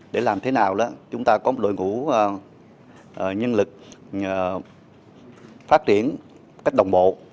để làm thế nào chúng ta có đội ngũ nhân lực phát triển cách đồng bộ